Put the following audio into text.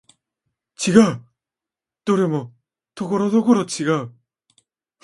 違う、どれもところどころ違う